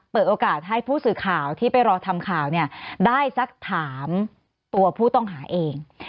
เปิดโอกาสให้ผู้สื่อข่าวที่ไปรอทำข่าวเนี่ยได้สักถามตัวผู้ต้องหาเอง